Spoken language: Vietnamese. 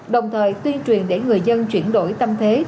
đồng thời tuyên truyền để người dân chuyển đổi tâm thế